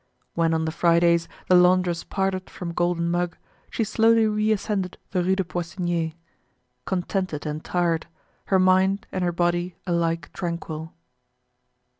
When on the Fridays the laundress parted from Golden Mug, she slowly reascended the Rue des Poissonniers, contented and tired, her mind and her body alike tranquil.